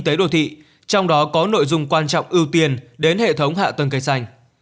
tế đồ thị trong đó có nội dung quan trọng ưu tiên đến hệ thống hạ tầng cây xanh